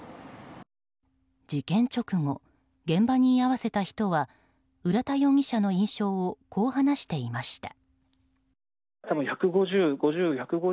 事件直後現場に居合わせた人は浦田容疑者の印象をこう話していました。